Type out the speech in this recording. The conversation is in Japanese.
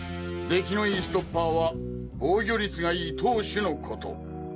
「出来のいいストッパー」は防御率がいい投手のこと。